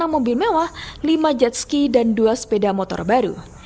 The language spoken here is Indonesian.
enam mobil mewah lima jet ski dan dua sepeda motor baru